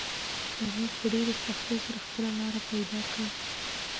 هغه په ډېرې سختۍ سره خپله لاره پیدا کړه.